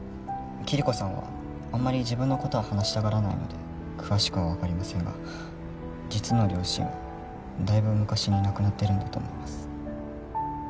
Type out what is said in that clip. キリコさんはあんまり自分のことは話したがらないので詳しくは分かりませんが実の両親はだいぶ昔に亡くなってるんだと思います